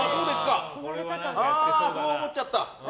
そう思っちゃった？